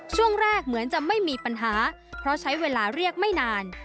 ช่วงแรกเหมือนจะไม่มีปัญหาเพราะใช้เวลาเรียกไม่นาน